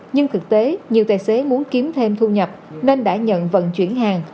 nhưng thực tế nhiều tài xế muốn kiếm thêm thu nhập nên đã nhận vận chuyển hàng